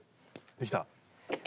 できた！